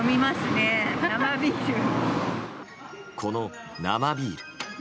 この生ビール。